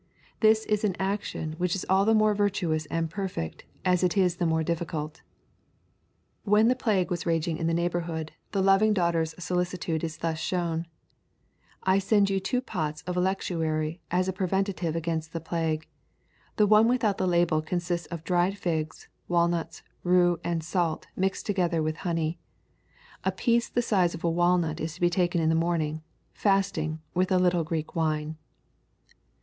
This is an action which is all the more virtuous and perfect as it is the more difficult." When the plague was raging in the neighbourhood, the loving daughter's solicitude is thus shown: "I send you two pots of electuary as a preventive against the plague. The one without the label consists of dried figs, walnuts, rue, and salt, mixed together with honey. A piece of the size of a walnut to be taken in the morning, fasting, with a little Greek wine."